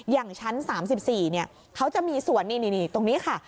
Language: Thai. อย่างชั้น๓๔เขาจะมีส่วนนี่ตรงนี้ค่ะ